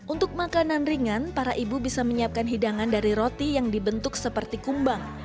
untuk makanan ringan para ibu bisa menyiapkan hidangan dari roti yang dibentuk seperti kumbang